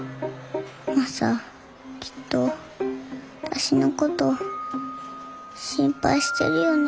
マサきっと私のこと心配してるよね。